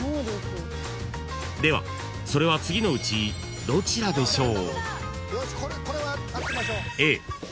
［ではそれは次のうちどちらでしょう？］